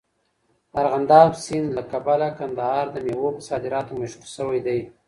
د ارغنداب سیند له کبله کندهار د میوو په صادراتو مشهور سوی دی.